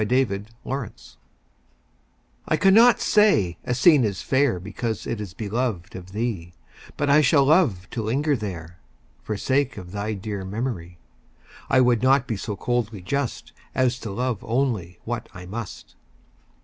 IMPARTIALITY I cannot say a scene is fair Because it is beloved of thee But I shall love to linger there, For sake of thy dear memory; I would not be so coldly just As to love only what I must.